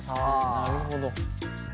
なるほど。